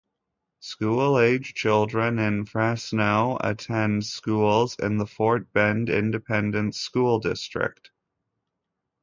School age children in Fresno attend schools in the Fort Bend Independent School District.